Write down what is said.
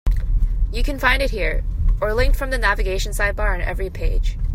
You can find it here, or linked from the navigation sidebar on every page.